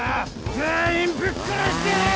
全員ぶっ殺してやる！